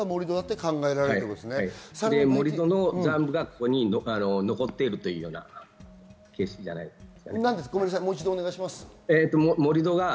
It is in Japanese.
盛り土の残部がここに残っているというようなケースじゃないですかね。